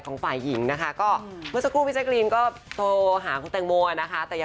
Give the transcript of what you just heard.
ขอให้เจอคนดีเข้ามาละกันนะคะ